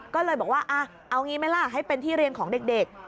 ก็เลยบอกว่าเอางี้ไหมล่ะให้เป็นที่เรียนของเด็ก